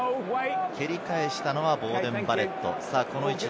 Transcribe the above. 蹴り返したのはボーデン・バレット。